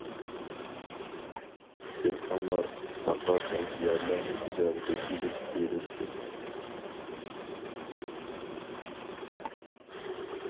دېھقانلار ئاساسەن يەرلەرنى ئىجارىگە ئېلىپ تېرىيتتى.